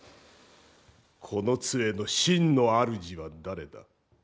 この杖の真の主は誰だ？